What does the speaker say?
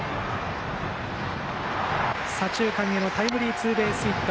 左中間へのタイムリーツーベースヒット。